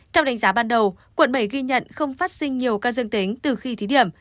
theo đánh giá ban đầu quận bảy ghi nhận không phát sinh nhiều ca dương tính từ khi thí điểm